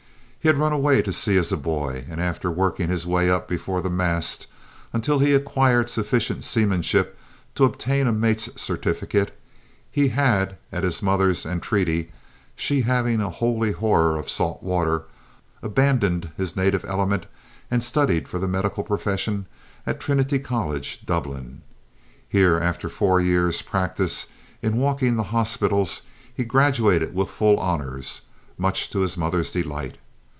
He had run away to sea as a boy, and, after working his way up before the mast until he had acquired sufficient seamanship to obtain a mate's certificate, he had, at his mother's entreaty, she having a holy horror of salt water, abandoned his native element and studied for the medical profession at Trinity College, Dublin. Here, after four years' practice in walking the hospitals, he graduated with full honours, much to his mother's delight.